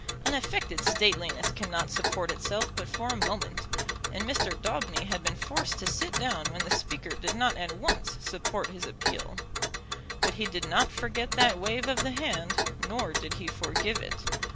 An affected stateliness cannot support itself but for a moment; and Mr. Daubeny had been forced to sit down when the Speaker did not at once support his appeal. But he did not forget that wave of the hand, nor did he forgive it.